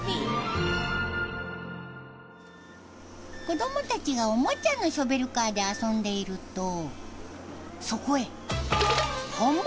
子どもたちがおもちゃのショベルカーで遊んでいるとそこへ本物登場！